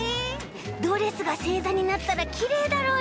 ドレスがせいざになったらきれいだろうね。